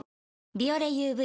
「ビオレＵＶ」